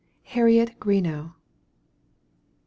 HARRIET GREENOUGH.